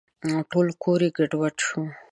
ټول کور یې ګډوډ شو .